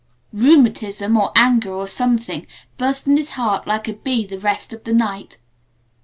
Rheumatism or anger, or something, buzzed in his heart like a bee the rest of the night.